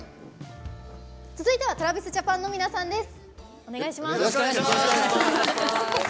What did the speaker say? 続いてはＴｒａｖｉｓＪａｐａｎの皆さんです。